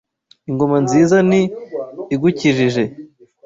Ingoma nziza ni igukijije